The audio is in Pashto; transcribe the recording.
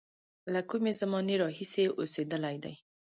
له کومې زمانې راهیسې اوسېدلی دی.